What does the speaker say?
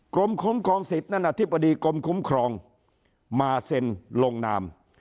กรมคุ้มครองสิทธิ์นั่นอธิบดีกรมคุ้มครองมาเซ็นลงนาม